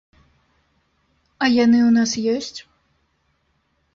А яны ў нас ёсць?